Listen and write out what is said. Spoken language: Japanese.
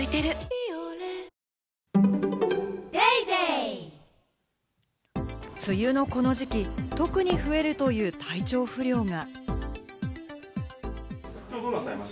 「ビオレ」梅雨のこの時期、特に増えるという、体調不良が。